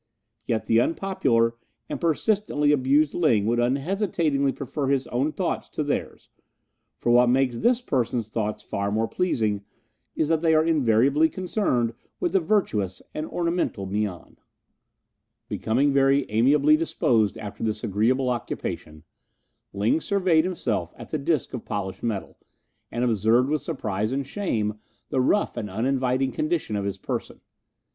Yet the unpopular and persistently abused Ling Would unhesitatingly prefer his own thoughts to theirs, For what makes this person's thoughts far more pleasing Is that they are invariably connected with the virtuous and ornamental Mian. Becoming very amiably disposed after this agreeable occupation, Ling surveyed himself at the disc of polished metal, and observed with surprise and shame the rough and uninviting condition of his person.